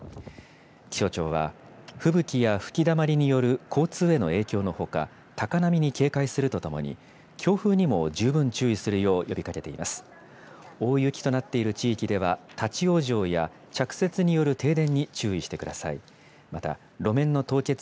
気象庁は、吹雪や吹きだまりによる交通への影響のほか、高波に警戒するとともに、強風にも十分注意するよう呼びかけています。